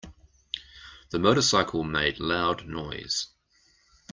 The motorcycle made loud noise.